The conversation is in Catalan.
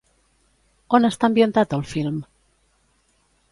On està ambientat el film?